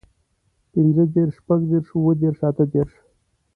پينځهدېرش، شپږدېرش، اووهدېرش، اتهدېرش